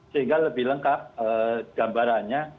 sehingga lebih lengkap gambarannya